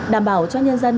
đảm bảo cho nhân dân